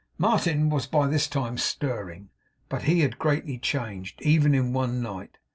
Martin was by this time stirring; but he had greatly changed, even in one night.